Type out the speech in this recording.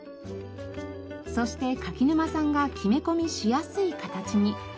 そして柿沼さんが木目込みしやすい形に。